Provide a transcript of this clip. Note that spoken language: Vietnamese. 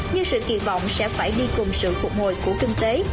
như sự kỳ vọng sẽ phải đi cùng sự phục hồi của kinh tế